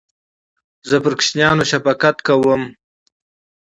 زه پر کوچنیانو شفقت کوم.